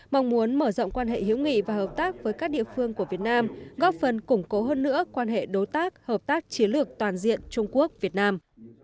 mong muốn mở rộng quan hệ hữu nghị và hợp tác với các địa phương của việt nam góp phần củng cố hơn nữa quan hệ đối tác hợp tác chiến lược toàn diện trung quốc việt nam